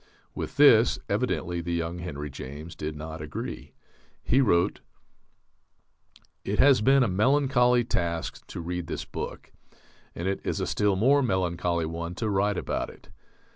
With this, evidently, the young Henry James did not agree. He wrote: It has been a melancholy task to read this book; and it is a still more melancholy one to write about it.